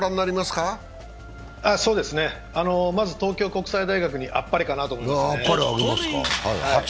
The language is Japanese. まず、東京国際大学にあっぱれかなと思いますね。